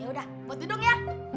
ya udah buat duduk ya